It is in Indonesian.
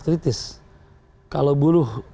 kritis kalau buruh